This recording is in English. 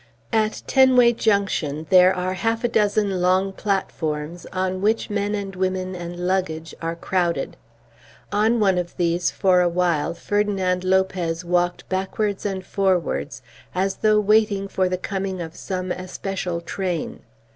At Tenway Junction there are half a dozen long platforms, on which men and women and luggage are crowded. On one of these for a while Ferdinand Lopez walked backwards and forwards as though waiting for the coming of some especial train.